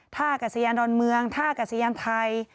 ท่ากัศยานดอนเมืองท่ากัศยานไทย